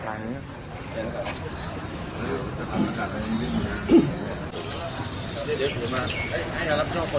จริงแต่รสปล้อยกลับมาเยี่ยมก็คืออีกที